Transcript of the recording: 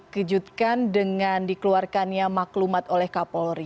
kita dikejutkan dengan dikeluarkannya maklumat oleh kapolri